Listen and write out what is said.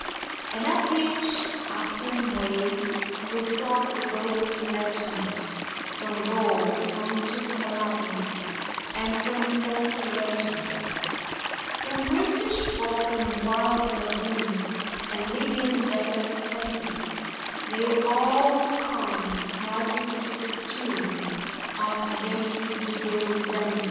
And up the ancient Appian way Will flock the ghostly legions, From Gaul unto Calabria, And from remoter regions; From British bog and wild lagoon, And Libyan desert sandy, They'll all come, marching to the tune Of "Yankee Doodle Dandy."